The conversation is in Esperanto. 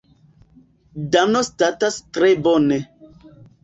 Dano statas tre bone.